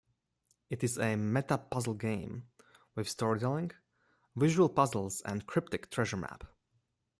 It is a meta-puzzle game with storytelling, visual puzzles and a cryptic treasure map.